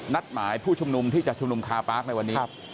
นัดหมายผู้ชุมนุมที่จะชุมนุมคาปาร์คในวันนี้